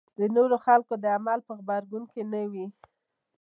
د نورو خلکو د عمل په غبرګون کې نه وي.